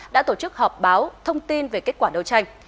đã tổ chức họp báo thông tin về kết quả đấu tranh